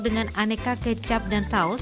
dengan aneka kecap dan saus